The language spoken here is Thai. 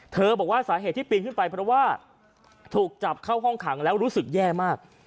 บอกว่าสาเหตุที่ปีนขึ้นไปเพราะว่าถูกจับเข้าห้องขังแล้วรู้สึกแย่มาก